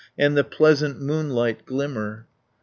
And the pleasant moonlight glimmer."